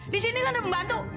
di sini kan ada pembantu